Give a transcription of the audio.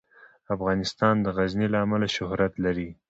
افغانستان د غزني له امله شهرت لري.